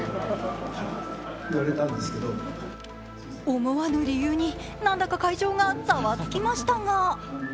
思わぬ理由に何だか会場がザワつきましたが。